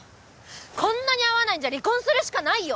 こんなに合わないんじゃ離婚するしかないよ！